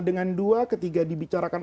dengan dua ketika dibicarakan